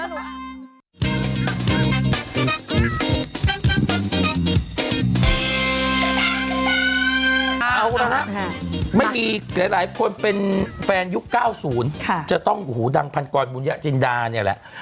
เอาละฮะไม่มีหลายคนเป็นแฟนยุค๙๐จะต้องหูดังพันกรบุญญจินดาเนี่ยแหละ